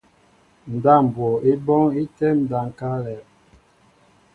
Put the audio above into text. Ndáp mbwo í bɔ́ɔ́ŋ í tɛ́ɛ́m ndáp ŋ̀káálɛ̄.